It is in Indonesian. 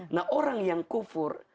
nah orang yang kufur